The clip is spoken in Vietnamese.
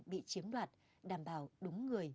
bị chiếm loạt đảm bảo đúng người